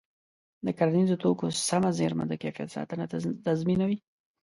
د کرنیزو توکو سمه زېرمه د کیفیت ساتنه تضمینوي.